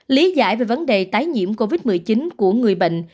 lý giải về vấn đề tái nhiễm covid một mươi chín của người bệnh